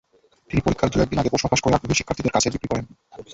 তিনি পরীক্ষার দু-একদিন আগে প্রশ্ন ফাঁস করে আগ্রহী পরীক্ষার্থীদের কাছে বিক্রি করেন।